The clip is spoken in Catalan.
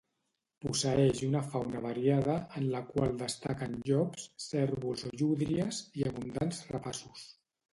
Posseïx una fauna variada, en la qual destaquen llops, cérvols o llúdries, i abundants rapaços.